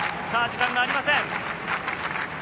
さぁ、時間がありません。